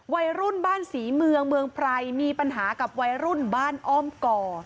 วัยรุ่นบ้านศรีเมืองเมืองไพรมีปัญหากับวัยรุ่นบ้านอ้อมก่อ